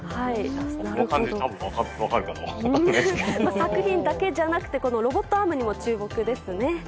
作品だけじゃなくてロボットアームにも注目ですね。